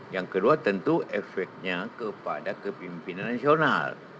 yang kedua tentu efeknya kepada kepimpinan nasional